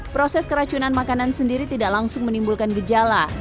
proses keracunan makanan sendiri tidak langsung menimbulkan gejala